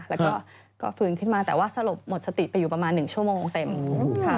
แล้วก็ฟื้นขึ้นมาแต่ว่าสลบหมดสติไปอยู่ประมาณ๑ชั่วโมงเต็มค่ะ